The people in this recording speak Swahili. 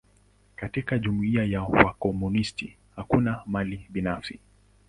Katika jumuia ya wakomunisti, hakuna mali binafsi.